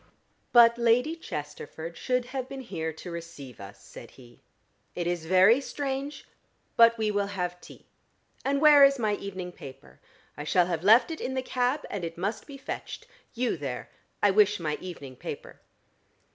"But Lady Chesterford should have been here to receive us," said he. "It is very strange, but we will have tea. And where is my evening paper? I shall have left it in the cab, and it must be fetched. You there: I wish my evening paper."